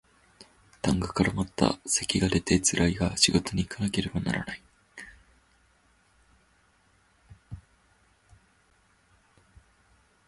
痰が絡まった咳が出てつらいが仕事にいかなければならない